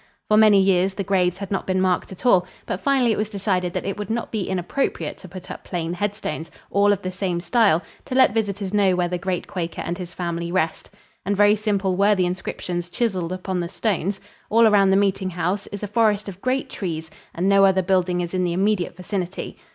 For many years the graves had not been marked at all, but finally it was decided that it would not be inappropriate to put up plain headstones, all of the same style, to let visitors know where the great Quaker and his family rest. And very simple were the inscriptions chiseled upon the stones. All around the meeting house is a forest of great trees, and no other building is in the immediate vicinity.